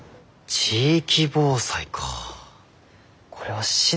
地域防災か。